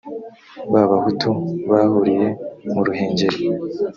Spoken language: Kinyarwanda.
b abahutu bahuriye mu ruhengeri